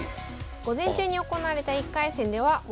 午前中に行われた１回戦では元Ａ級の先崎